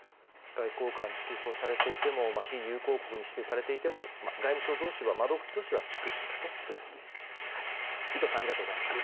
外交官が追放されていても非友好国に指定されていても外務省同士は窓口同士は粛々とということですね。